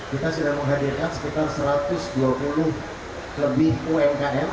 kita sudah menghadirkan sekitar satu ratus dua puluh lebih umkm